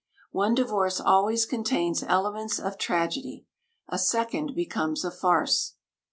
One divorce always contains elements of tragedy. A second becomes a farce.